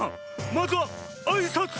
まずはあいさつ！